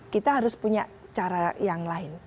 kita harus punya cara yang lain